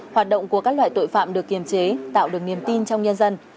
hoạt động của các loại tội phạm được kiềm chế tạo được niềm tin trong nhân dân